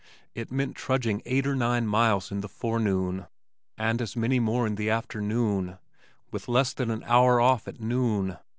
It meant trudging eight or nine miles in the forenoon and as many more in the afternoon, with less than an hour off at noon.